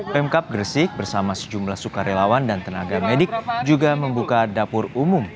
pemkap gresik bersama sejumlah sukarelawan dan tenaga medik juga membuka dapur umum